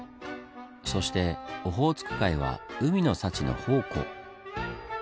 そしてオホーツク海は海の幸の宝庫。